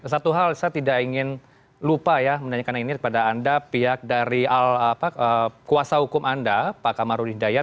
satu hal saya tidak ingin lupa ya menanyakan ini kepada anda pihak dari kuasa hukum anda pak kamarudin dayat